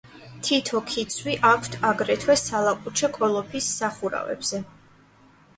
თითო ქიცვი აქვთ აგრეთვე სალაყუჩე კოლოფის სახურავებზე.